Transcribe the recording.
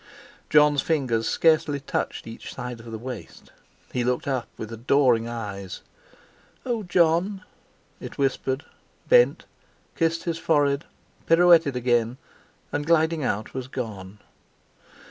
Jon's fingers scarcely touched each side of the waist; he looked up, with adoring eyes. "Oh! Jon," it whispered; bent, kissed his forehead, pirouetted again, and, gliding out, was gone.